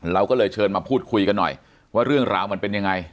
เราก็เลยเชิญมาพูดคุยกันหน่อยว่าเรื่องราวมันเป็นยังไง